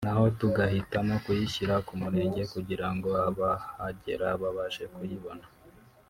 n ayo tugahitamo kuyishyira ku murenge kugira ngo abahagera babashe kuyibona